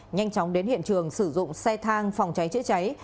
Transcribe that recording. nhanh chóng đến hiện trường sử dụng xe thang phòng cháy chữa cháy